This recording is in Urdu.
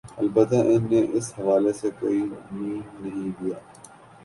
البتہ ان نے اس حوالہ سے کوئی م نہیں لیا